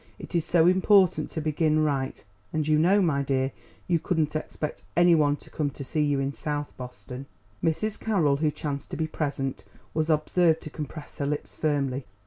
It is so important to begin right; and you know, my dear, you couldn't expect any one to come to see you in South Boston." Mrs. Carroll, who chanced to be present, was observed to compress her lips firmly.